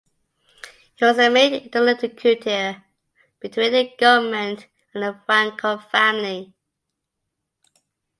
He was the main interlocutor between the Government and the Franco family.